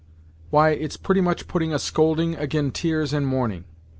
"Why, it's pretty much putting a scolding ag'in tears and mourning.